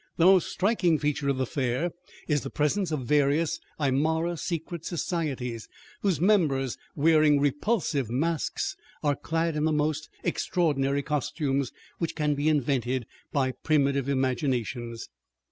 The most striking feature of the fair is the presence of various Aymara secret societies, whose members, wearing repulsive masks, are clad in the most extraordinary costumes which can be invented by primitive imaginations.